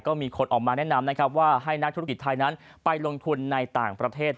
ก็มีคนออกมาแนะนำนะครับว่าให้นักธุรกิจไทยนั้นไปลงทุนในต่างประเทศ